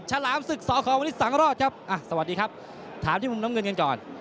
ฉลามศึกสขวริสสังรอดครับอ่ะสวัสดีครับถามที่มุมน้ำเงินกันก่อน